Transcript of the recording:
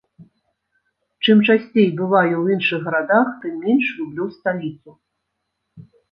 Чым часцей бываю ў іншых гарадах, тым менш люблю сталіцу.